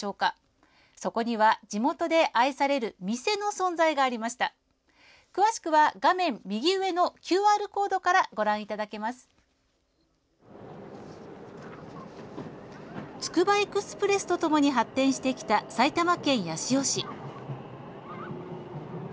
つくばエクスプレスとともに発展してきた埼玉県八潮市。